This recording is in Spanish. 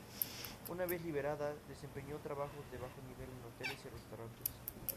Una vez liberada, desempeñó trabajos de bajo nivel en hoteles y restaurantes.